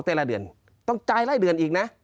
แต่ละเดือนต้องจ่ายไล่เดือนอีกนะ